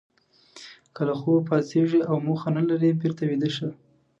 که له خوبه پاڅېږئ او موخه نه لرئ بېرته ویده شئ.